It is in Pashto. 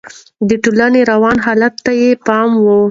د ټولنې رواني حالت ته يې پام و.